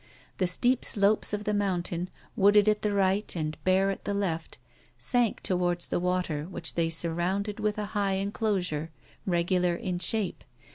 The steep slopes of the mountain, wooded at the right and bare at the left, sank toward the water, which they surrounded with a high inclosure, regular in shape.